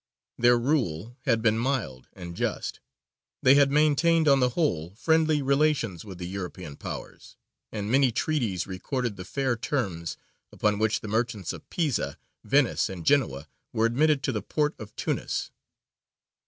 Their rule had been mild and just; they had maintained on the whole friendly relations with the European powers, and many treaties record the fair terms upon which the merchants of Pisa, Venice, and Genoa were admitted to the port of Tunis.